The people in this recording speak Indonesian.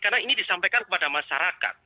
karena ini disampaikan kepada masyarakat